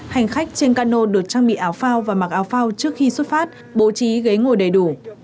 hành khách trên cano được trang bị áo phao và mặc áo phao trước khi xuất phát bố trí ghế ngồi đầy đủ